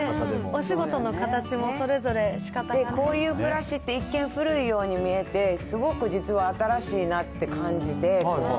お仕事の形もそれぞれ、こういう暮らしって、一見古いように見えて、すごく実は新しいなって感じて。